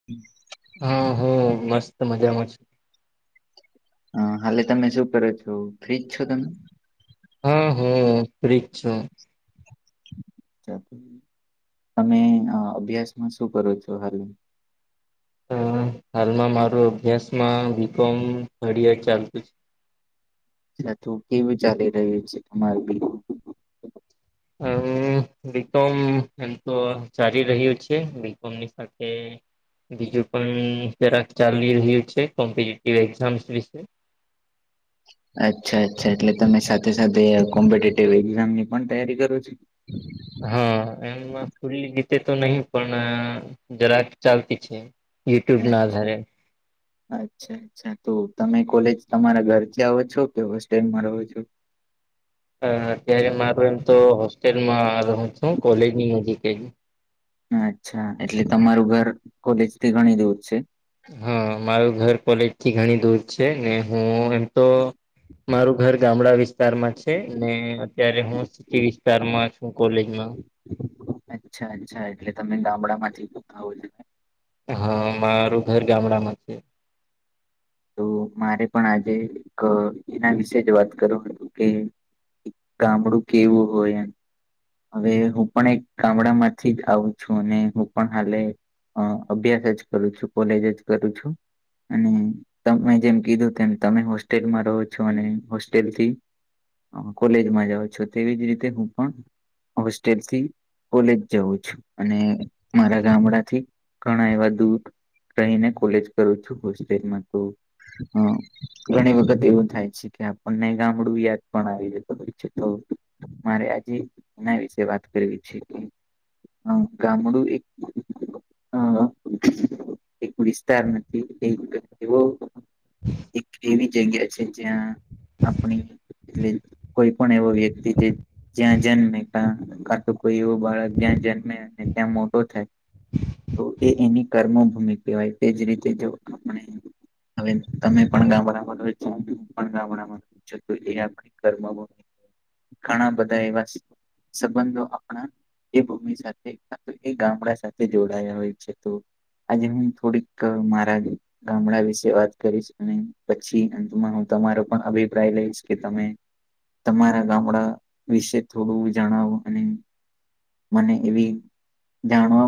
[inaudible] હા હ મસ્ત મજામાં છે. હ હાલે. તમે શું કરો છો? ફ્રીજ છો તમે? હા હા! ફ્રી છુ. [inaudible] તમે અભ્યાસમાં શું કરો છો હાલ? હાલમાં માર અભ્યાસમાં બી કોમ ઘડ ચાલતુ છે. અ તો કેવું ચાલી રહ્યું છે. તમારે બ અમ [inaudible] બીકોમ એમ તો ચાલી રહ્યું છે. બીકોમની સાથે. બીજું પણ જરાક ચાલી રહ્યું છે. કોમ્પિટિવ એક્ઝામ્સ વિશે. અચ્છા અચ્છા. એટલે તમે સાથે સાથે કોમ્પિટેટિવ એક્ઝામ ની પણ તૈયારી કરો છો? [inaudible] હા એમ ફુલ્લી જીતે તો નહી. પણ જરાક ચાલતી છે. યુટ્યુબ ના અચ્છા આધારે. અચ્છા અચ્છા! તો તમે કોલેજ તમારા ઘરથી આવો છો? કે હોસ્ટેલ માં રહો છો? અ અત્યારે માર એમ તો હોસ્ટેલમાં રહું છું. કોલેજ ની નજીક જ. અચ્છા એટલે, તમારું ઘર કોલેજ થી ઘણી દૂર છે? હા! મારું ઘર કોલેજથી ઘણી દૂર છે. ને હું એમ તો. મારું ઘર ગામડા વિસ્તારમાં છે ને અત્યારે હું. વિસ્તાર માં શ કોલેજમાં. અચ્છા અચ્છા. એટલે તમે ગામડામાંથીાવ. હા! મારું ઘર ગામડામાં છે. તો મારે પણ આજે એક એના વિશે, જ વાત કર હતું કે. ગામડું કેવું હોય એમ. હવે હું પણ એક ગામડા માંથી જ આવું છું. અને હું પણ હાલે. અ અભ્યાસ જ કરું છું. કોલેજ જ કરું છું. અને તમે જેમ કીધું તેમ તમે હોસ્ટેલમાં રહો છો. અને હોસ્ટેલ થી કોલેજમાં જાઓ છો. તેવી જ રીતે હું પણ હોસ્ટેલથી. કોલેજ જવું છું. અને મારા ગામડાથી ઘણા એવા દૂર. રહીને કોલેજ કરું છું. હોસ્ટેલમાં તો. હા! ઘણી વખત એવું થાય છે કે આપણને ગામડું યાદ પણ આવી જ તોઈ તો. મારે આજે એના વિશે વાત કરવી છે. હ ગામડું એક. હ એક વિસ્તાર નથી એક એવો. એક એવી જગગ અ છે. જ્યાં આપણી. એટલે કોઈ પણ એવો વ્યક્તિ જે. જ્યાં જન્મે કા તો, કોઈ એવું બાળક જ્યાં જન્મે ત્યાં મોટો થાય. તો એ એની કર્મભૂમિ કહેવાય તે જ રીતે જો આપણે. હવે તમે પણ ગામડા હું પણ ગામ. એ કરવામાં ઘણા બધા એવાી. સંબંધો આપણા. એ ભૂમિ સાથે એ ગામડા સાથે જોડાયા હોય છે તો. આજે હું થોડીક મારા ગામડા વિ. વાત કરીશ. અને પછી અંતમાં હું તમારો પણ અભિપ્રાય લઈશ કે તમે. તમારા ગામડા વિશે થોડું જણાવો અને મને એવી જાણવા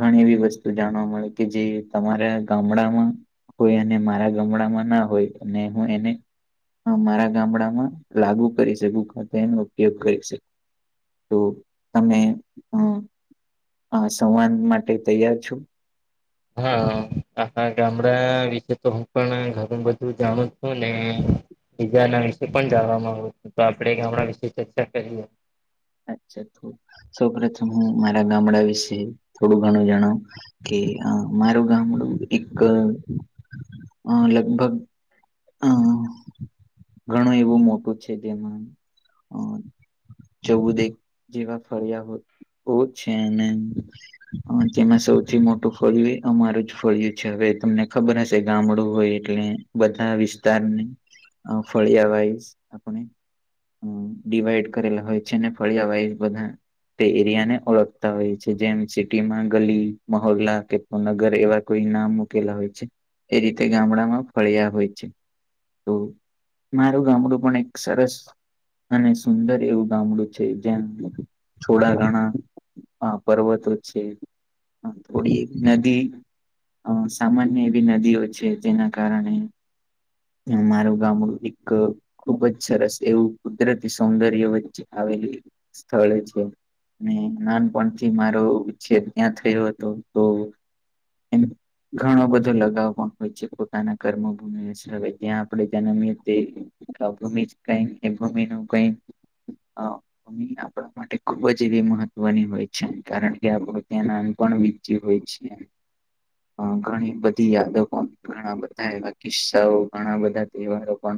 ઘણી એવી વસ્તુ જાણવા મળે કે જે તમારે ગામડામાં હોય અને મારા ગમડામાં ના હોય અને હું એને મારા ગામડામાં લાગુ કરી શકું તે એનો ઉપયોગ કરી શક તો તમે આ સંવાદ માટે તૈયાર છો હા હા ગામડા વિશે તો હું પણ ઘું બધું જાણું છું ને બીજાના વિશે પણ જાણવામાં આવ હતું તો આપડે ગામડા વિશે ચર્ચા કરીએ અચ્છા તો સૌપથમ હું મારા ગામડા વિશે થોડું ઘણું જણાવ કે મારું ગામડું એક અ લગભગ અમ ઘણું એવું મોટું છે જેમાં ચૌદ એક જેવા ફર્યા છે [unintelligible] અને તેમાં સૌથી મોટું ફળ્યું અમારું જ ફળ્યું છે હવે તમને ખબર હશે ગામડું હોય એટલે બધા વિસ્તારને ફળિયા વાઈ આપણે ડીવાઈડ કરેલા હોય છે ને ફળિયા વાઈઝ બધા તે એરિયા ને ઓળખતા હોય છે જેમ સિટીમાં ગલી મહોલ્લા કે નગર એવા કોઈ નામ મૂકેલા હોય છે એ રીતે ગામડામાં ફળ્યા હોય છે તો મારું ગામડું પણ એક સરસ અને સુંદર એવું ગામડું છે જ્યા થોડા ઘણા પર્વતો છે થોડી નદી અ સામાન્ય એવી નદીઓ છે તેના કારણે હ મારું ગામડું એક ખુબ જ સરસ એવું કુદરતી સૌંદર્ય વચ્ચે આવે સ્થળે છે નાનપણથી મારો ઉછેર ત્યાં થયો હતો તો ઘણો બધો લગાવ પણ હોય છે પોતાના કર્મભૂમિય ત્યાં આપણે ત્યાનામ તો ભૂમિ કઈક એ ભૂમિ નું કઈક હા આપણા માટે ખુબ જ એવી મહત્વની હોય છે કારણ કે આપડું ત્યાં નાન પણ વીત્યું હોય છે [inaudible] ઘણી બધી યાદકો ઘણા બધા એવા કિસ્સાઓ ઘણા બધા તહેવારો પણ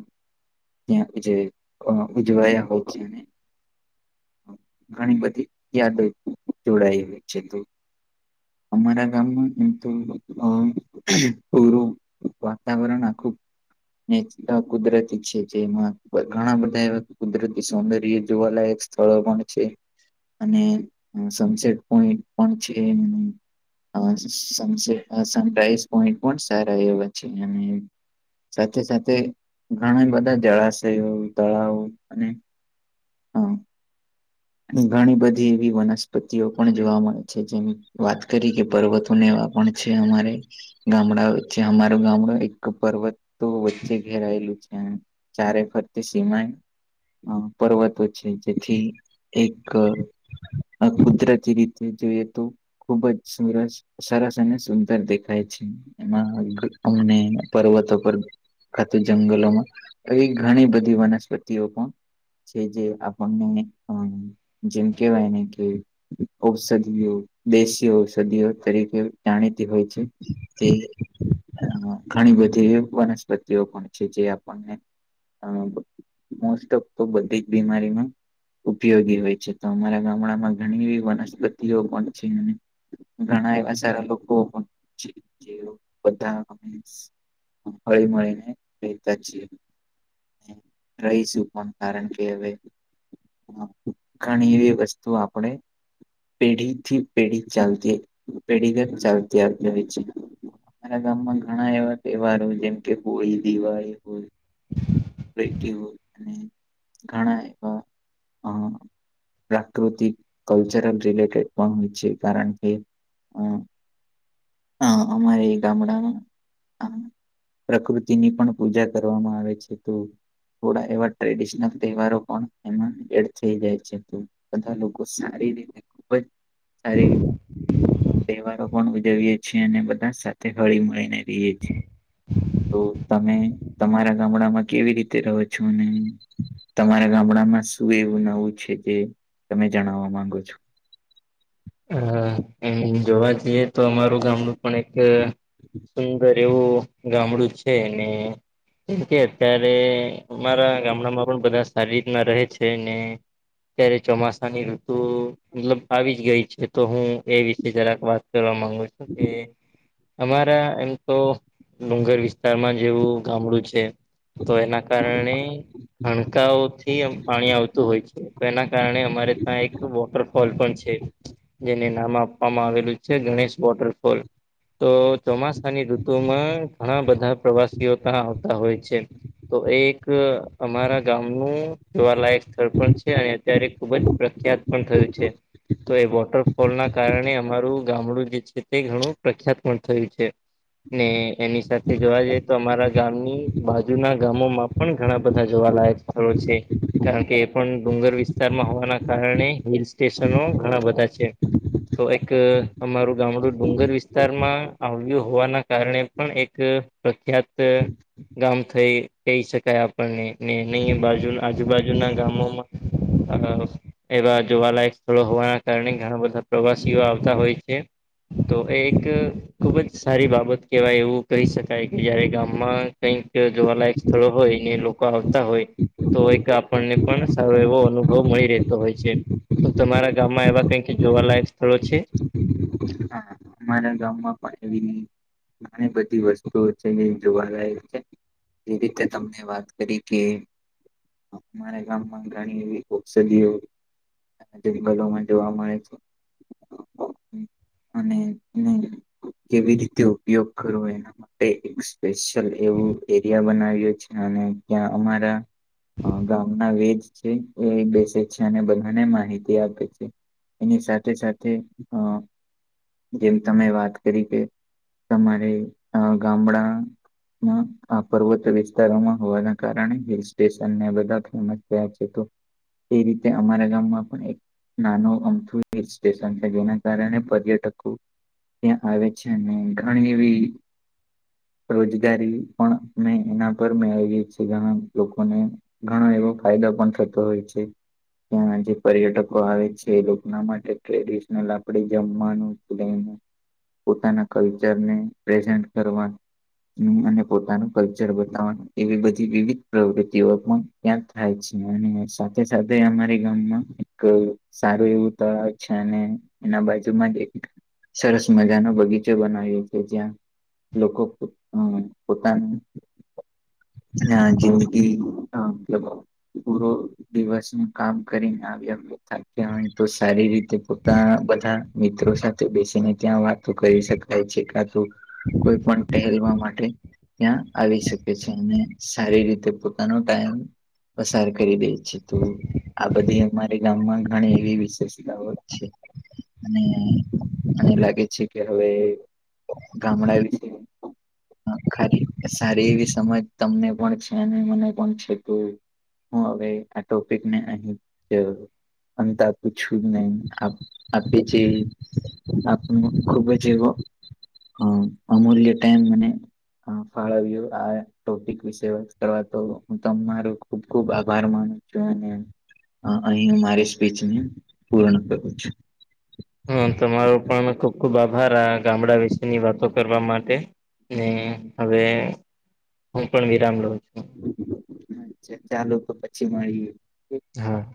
ત્યાં જે ઉજવાયા હોય છેને ઘણી બધી યાદો જોડાય હોય છે અમારા ગામમાંુર [inaudible] વાતાવરણ આ ખુબ ને કુદરતી છે જેમાં ઘણા બધા એવા કુદરતી સૌંદર્ય જોવાલાયક સ્થળો પણ છે અને સનસેટ પોઈન્ટ પણ છે સનસેટ સનરાઈઝ પોઈન્ટ પણ સારા એવા છે અને સાથે સાથે ઘણા બધા જળાશયો તળાવ અને હા ઘણી બધી એવી વનસ્પતિઓ પણ જોવા મળે છે જેમ વાત કરી કે પર્વતોને એવા પણ છે અમારે ગામડા વચ્ચે અમારું ગામડું એક પર્વત તો વચ્ચે ઘેરાયેલું છે ચારે ફરતી સિમાય પર્વતો છે જેથી એક કુદરતી રીતે જોઈએ તો ખુબ જ સરસ સરસ અને સુંદર દેખાય છે એમાં અમને પર્વતો પર ખાત જંગલોમાં એ ઘણી બધી વનસ્પતિઓ પણ છે જે આપણને જેમ કેવાયને કે ઔષધિઓ દેશી ઔષધિઓ તરીકે જાણીતી હોય છે તે અ ઘણી બધી વનસ્પતિઓ પણ છે જે આપણને અ મોસ્ટ ઓફ તો બધી જ બીમારીમાં ઉપયોગી હોય છે તો અમારા ગામડામાં ઘણી વનસ્પતિઓ પણ છે અને ઘણા એવા સારા લોકો છે જે બધા [inaudible] હળીમળી ને રેતા છે રહીશું પણ કારણ કે હવે ઘણી એવી વસ્તુ આપણેે પેઢી થી પેઢી ચાલતી પેઢીગત ચાલતી [unintelligible] મારા ગામમાં ઘણા એવા તેવારો જેમ કે, હોળી દિવાળી હોય [inaudible] [inaudible] ઘણા એવા અ પ્રાકૃતિક કલ્ચરલ રિલેટેડ પણ હોય છે કારણ કે હમ હા અમારે ગામડામાં પ્રકૃતિની પણ પૂજા કરવામાં આવે છે તો થોડા એવા ટ્રેડિશનલ તેવારો પણ એમાં એડ થઈ જાય છે તો બધા લોકો સારી રીતે ખુબ જ [unintelligible] તેવારો પણ ઉજવીએ છીએ અને બધા સાથે હળી મળીને રીએ [unintelligible] તો તમે તમારા ગામડામાં કેવી રીતે રહો છો અને તમારા ગામડામાં શું એવું નવું છે જે તમે જણાવવા માંગો છો? હ જોવા જઈએ તો અમારું ગામડું પણ એક સુંદર એવું ગામડું છે ને કેમ કે અત્યારે અમારા ગામડામાં પણ બધા સારી રીતના રહે છે. તો હું એ વિશે જરાક વાત કરવા માંગુ છું કે અમારા એમ તો ડુંગર વિસ્તારમાં જેવું ગામડું છે તો એના કારણે હણકાઓ થી પાણી આવતું હોય છે તો એના કારણે અમારે ત્યાં એક વોટરફોલ પણ છે જેને નામ આપવામાં આવેલું છે ગણેશ વોટરફોલ. તો ચોમાસાની ઋતુમાં ઘણા બધા પ્રવાસીઓ ત્યાં આવતા હોય છે. તો એ એક અમારા ગામ નુ જોવાલાયક સ્થળ પણ છે અને અત્યારે ખુબ જ પ્રખ્યાત પણ થયું છે. તો એ વોટરફોલ ના કારણે અમારું ગામડું જે છે તે ઘણું પ્રખ્યાત પણ થયું છે. ને એની સાથે જોવા જઈ તો અમારા ગામની બાજુના ગામોમાં પણ ઘણા બધા જોવાલાયક સ્થળો છે. કારણ કે એ પણ ડુંગર વિસ્તારમાં હોવાના કારણે હિલ સ્ટેશનો ઘણા બધા છે. તો એક અમારું ગામડું ડુંગર વિસ્તારમાં આવ્યું હોવાના કારણે પણ એક પ્રખ્યાત ગામ થઈ કઈ શકાય આપણને ને [inaudible] બાજુ આજુબાજુના ગામોમાં અ એવા જોવાલાયક સ્થળો હોવાના કારણે ઘણા બધા પ્રવાસીઓ આવતા હોય છે. તો એ એક ખુબ જ સારી બાબત કેવાય એવું કહી શકાય કે આ ગામમાં કઈક જોવાલાયક સ્થળો હોય ને લોકો આવતા હોય તો એક આપણને પણ સારો એવો અનુભવ મળી રહેતો હોય છે તમારા ગામમાં એવા કંઈક જોવાલાયક સ્થળો છે? હા અમારા ગામમાં પણ એની ઘણી બધી વસ્તુઓ છે જે જોવાલાયક છે. જે રીતે તમને વાત કરી કે અમારા ગામમાં ઘણી એવી ઔષધિઓ જંગલોમાં જોવા મળે છે અને ને કેવી રીતે ઉપયોગ કરવો એનો એક સ્પેશિયલ એવું એરિયા બનાવ્યું છે અને ત્યાં અમારા ગામના વૈદ છે એ બેસે છે અને બધાને માહિતી આપે છે. એની સાથે સાથે હ જેમ તમે વાત કરી કે તમારે અ ગામડા પર્વત વિસ્તારોમાં હોવાના કારણે હિલ સ્ટેશનને બધા ફેમસ થયા છે તો એ રીતે અમારા ગામમાં પણ એક નાનું અમથુ હિલ સ્ટેશન છે જેના કારણે પર્યટક ત્યાં આવે છે ઘણી એવી રોજગારી પણ અમે એના પર મેળવીએ છીએ ઘણા લોકોને ઘણો એવો ફાયદો પણ થતો હોય છે. ત્યાં જે પર્યટકો આવે છે એ લોકો ના માટે ટ્રેડિશનલ આપડે જમવાનું પોતાના કલ્ચરને પ્રેઝન્ટ કરવા અને પોતાનું કલ્ચર બતાવવાનું એવી બધી વિવિધ પ્રવૃતિઓ પણ ત્યાં થાય છે અને સાથે સાથે અમારી ગામમાં એક સારું એવું તો છે અને એના બાજુમાં જ એક સરસ મજાનોો બગીચો બનાવીએ છીએ જ્યાં લોકો પોતાની હા જેવી હ મલબ પૂરો દિવસ કામ કરીને આવ થાકી તો સારી રીતે પોતા બધા મિત્રો સાથે બેસીને ત્યાં વાતો કરી શકાય છે કા તો કોઈ પણ ટહેલવા માટે- ત્યાં આવી શકે છે અને સારી રીતે પોતાનો ટાયમ પસાર કરી દે છે તું આ બધી અમારી ગામમાં ઘણી એવી વિશેષતાઓ જ છે અને મને લાગે છે કે હવે ગામડા એ ખ સારી એવી સમજ તમને પણ છે અને મને પણ છે તો હું હવે આ ટોપિકને અહી જ છ આમ તો આપૂ છું જ નહી આપે જે આપ ખુબ જ એવ હ અમૂલ્ય ટાઈમ મને હ ફળવ આ ટોપિક વિશે વાત કરવા તો હું તમારો ખુબ ખુબ આભાર માનું છું અને અહીં મારી સ્પીચને પૂર્ણ કરું છું. હા તમારો પણ ખુબ ખુબ આભાર આ ગામડા વિશેની વાતો કરવા માટે ને હવે હું પણ વિરામ રહઉ છું અચ્છા ચાલો પછી મળીયે હા.